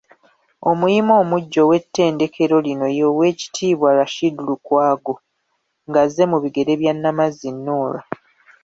Omuyima omuggya ow’ettendekero lino ye Owek.Rashid Lukwago ng’azze mu bigere bya Namazzi Norah.